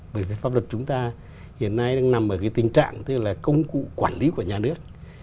bởi vì pháp luật chúng ta hiện nay đang nằm ở cái tình trạng tức là công cụ quản lý của nhà nước